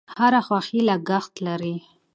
هر خوښي لګښت لري.